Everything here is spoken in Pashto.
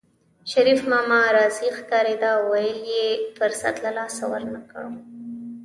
شريف ماما راضي ښکارېده او ویل یې فرصت له لاسه ورنکړو